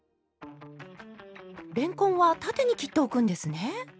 れんこんは縦に切っておくんですね？